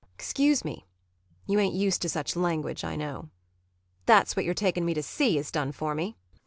] Excuse me. You ain't used to such language, I know. [Mockingly.] That's what your taking me to sea has done for me.